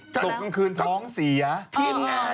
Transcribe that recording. ข้าวใส่ข้าว